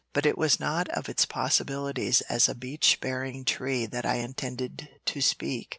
But it was not of its possibilities as a beech bearing tree that I intended to speak.